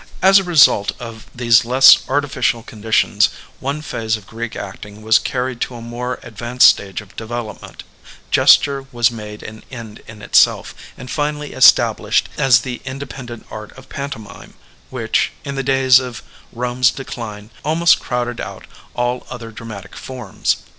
As a result of these less artificial conditions, one phase of Greek acting was carried to a more ad vanced stage of development : gesture was made an end in itself and finally established as the indepen dent art of pantomime, which, in the days of Bome's decline, almost crowded out all other dramatic forms.